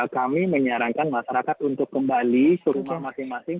kami menyarankan masyarakat untuk kembali ke rumah masing masing